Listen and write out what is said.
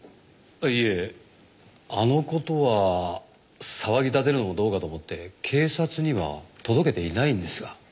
いえあの事は騒ぎ立てるのもどうかと思って警察には届けていないんですが。